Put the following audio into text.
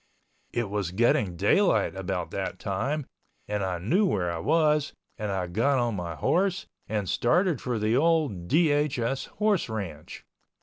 It was getting daylight about that time and I knew where I was, and I got on my horse and started for the old DHS horse ranch.